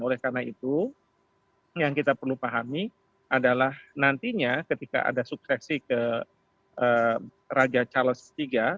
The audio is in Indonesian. oleh karena itu yang kita perlu pahami adalah nantinya ketika ada suksesi ke raja charles iii